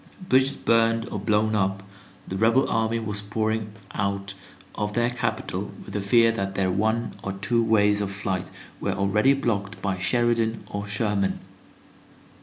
Bridges burned or blown up, the rebel army was pouring out of their capital with the fear that their one or two ways of flight were already blocked by Sheridan or Sherman.